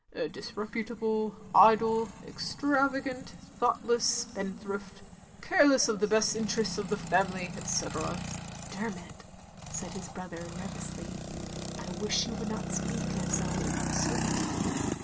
A disreputable, idle, extravagant, thoughtless spendthrift, care less of the best interests of the family, etc." "Dermot," said his brother, nervously, "I wish you would not speak as though it were a certainty.